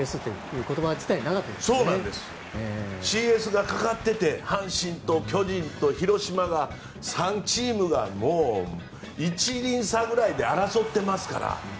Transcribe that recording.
ＣＳがかかってて阪神と巨人と広島の３チームがもう１２厘差ぐらいで争ってますから。